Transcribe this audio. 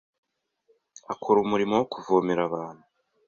akora umurimo wo kuvomera abantu